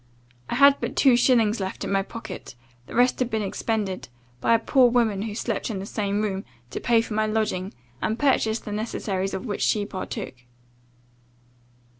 I had but two shillings left in my pocket, the rest had been expended, by a poor woman who slept in the same room, to pay for my lodging, and purchase the necessaries of which she partook.